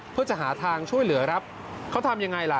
เพื่อจะหาทางช่วยเหลือครับเขาทำยังไงล่ะ